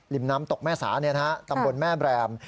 น้ำตกแม่สาตำบลแม่แบรม